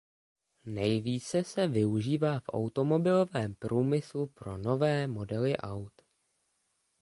Nejvíce se využívá v automobilovém průmyslu pro nové modely aut.